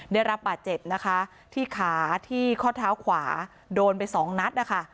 ได้รับบาดเจ็บนะคะที่ขาที่ข้อเท้าขวาโดนไปสองนัดนะคะ